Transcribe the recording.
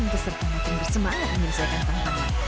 tersertakan tim bersemangat menyelesaikan tantangan